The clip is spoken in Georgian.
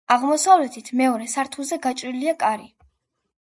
აღმოსავლეთით, მეორე სართულზე გაჭრილია კარი.